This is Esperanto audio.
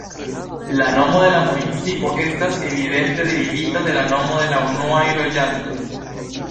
La nomo de la municipo estas evidente derivita de nomo de la unuaj loĝantoj.